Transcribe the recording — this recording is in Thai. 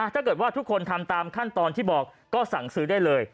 ถ้าเกิดว่าทุกคนทำตามขั้นตอนที่บอกก็สั่งซื้อได้เลย